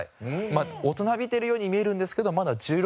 大人びてるように見えるんですけどまだ１６歳。